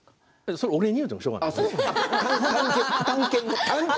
それを俺に言ってもしょうがない。